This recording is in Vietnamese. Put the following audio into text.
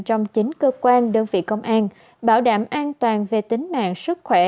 trong chính cơ quan đơn vị công an bảo đảm an toàn về tính mạng sức khỏe